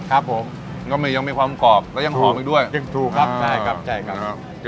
ครับผมก็ยังมีความกรอบแล้วยังหอมอีกด้วยยังถูกครับใช่ครับใช่ครับ